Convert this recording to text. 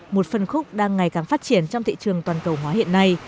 một phân khúc đang ngày càng phát triển trong thị trường toàn cầu hóa hiện nay